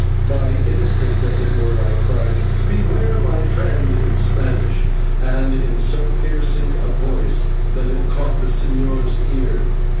By instinct, as it were, I cried, "Beware, my friend!" in Spanish, and in so piercing a voice that it caught the señor's ear.